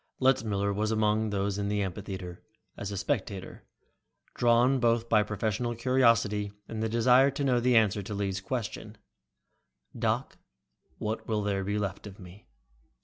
Letzmiller was among those in the amphitheater, as a spectator, drawn both by professional curiosity and a desire to know the answer to Lee's question, "Doc, what will there be left of me?"